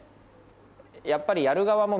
やっぱり。